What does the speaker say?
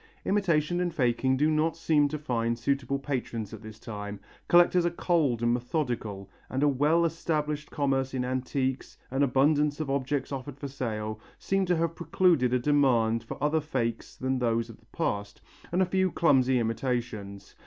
Imitation and faking do not seem to find suitable patrons at this time. Collectors are cold and methodical, and a well established commerce in antiques, an abundance of objects offered for sale, seem to have precluded a demand for other fakes than those of the past, and a few clumsy imitations.